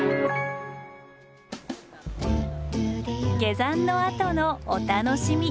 下山のあとのお楽しみ。